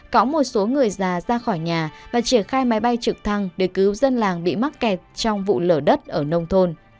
có một số người già ra khỏi nhà và triển khai máy bay trực thăng để cứu dân làng bị mắc kẹt trong vụ lở đất ở nông thôn